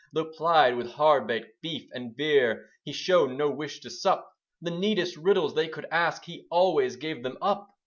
Though plied with hardbake, beef and beer, He showed no wish to sup: The neatest riddles they could ask, He always gave them up.